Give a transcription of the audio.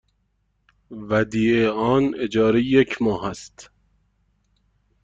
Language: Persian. ودیعه آن اجاره یک ماه است.